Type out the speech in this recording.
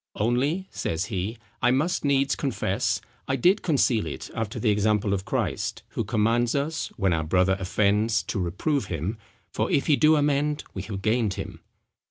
"Only," says he, "I must needs confess, I did conceal it after the example of Christ, who commands us, when our brother offends to reprove him, for if he do amend we have gained him."